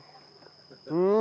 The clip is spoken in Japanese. うん！